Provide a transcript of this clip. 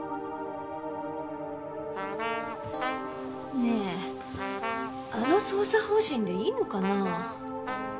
ねえあの捜査方針でいいのかなあ？